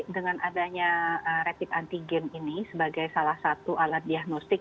dengan adanya rapid antigen ini sebagai salah satu alat diagnostik